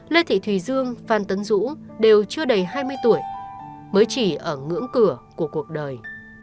lê thị thùy dương phan tấn dũ đều chưa đầy hai mươi tuổi mới chỉ ở ngưỡng cửa của cuộc đời